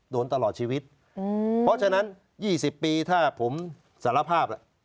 โดนตลอดชีวิตเพราะฉะนั้น๒๐ปีถ้าผมสารภาพ